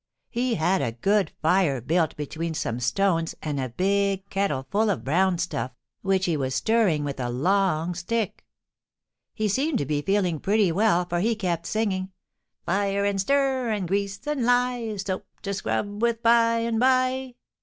He had a good fire built between some stones and a big kettle full of brown stuff, which he was stirring with a long stick. He seemed to be feeling pretty well, for he kept singing, "Fire and stir, and grease and lye Soap to scrub with by and by."